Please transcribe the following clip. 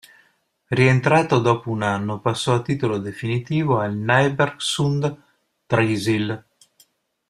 Rientrato dopo un anno, passò a titolo definitivo al Nybergsund-Trysil.